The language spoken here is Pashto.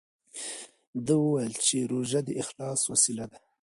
ده وویل چې روژه د اخلاص وسیله ده.